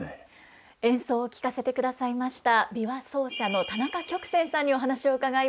演奏を聴かせてくださいました琵琶奏者の田中旭泉さんにお話を伺います。